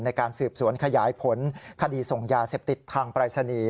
ในการสืบสวนขยายผลคดีส่งยาเสพติดทางปรายศนีย์